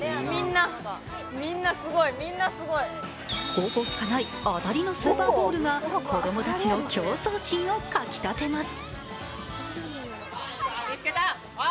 ５個しかない当たりのスーパーボールが子供たちの競争心をかきたてます。